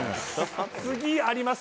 次あります？